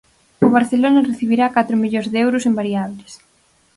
O Barcelona recibirá catro millóns de euros en variables.